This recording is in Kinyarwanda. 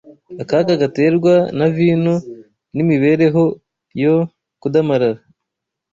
akaga gaterwa na vino n’imibereho yo kudamarara